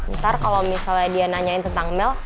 ntar kalau misalnya dia nanyain tentang mel